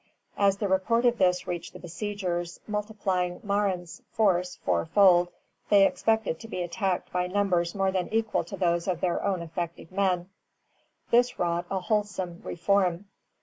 As the report of this reached the besiegers, multiplying Marin's force four fold, they expected to be attacked by numbers more than equal to those of their own effective men. This wrought a wholesome reform.